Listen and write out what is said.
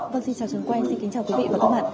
vâng xin chào chương quen xin kính chào quý vị và các bạn